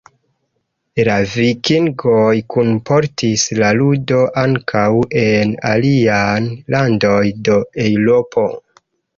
La Vikingoj kunportis la ludon ankaŭ en aliajn landojn de Eŭropo.